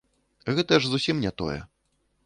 Гэта ж зусім не тое.